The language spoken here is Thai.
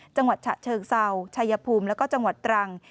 จังหวัดฉะเชิงเศร้าไชยพภูมิและจังหวัดตรัง